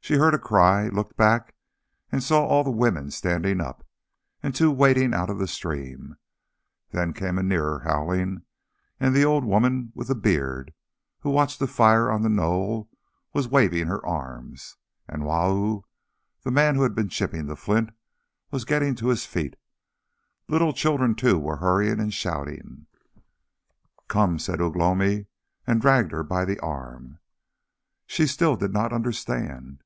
She heard a cry, looked back, and saw all the women standing up, and two wading out of the stream. Then came a nearer howling, and the old woman with the beard, who watched the fire on the knoll, was waving her arms, and Wau, the man who had been chipping the flint, was getting to his feet. The little children too were hurrying and shouting. "Come!" said Ugh lomi, and dragged her by the arm. She still did not understand.